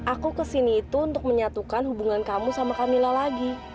aku ke sini itu untuk menyatukan hubungan kamu sama kamila lagi